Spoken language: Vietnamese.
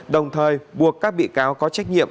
đồng thời buộc các bị cáo có trách nhiệm